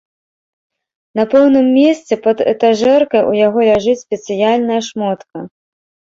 На пэўным месцы пад этажэркай у яго ляжыць спецыяльная шмотка.